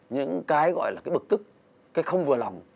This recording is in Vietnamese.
những cái gọi là cái bực tức cái không vừa lòng